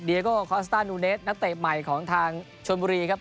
เดียโก้คอสตาร์นูเนสนักเต็บใหม่ของทางชนบุรีครับ